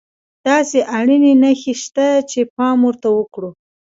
داسې اړينې نښې شته چې پام ورته وکړو.